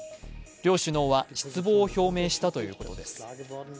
両首脳は失望を表明したということです。